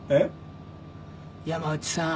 山内さん